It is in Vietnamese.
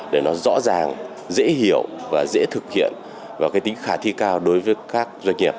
để nó rõ ràng dễ hiểu và dễ thực hiện và cái tính khả thi cao đối với các doanh nghiệp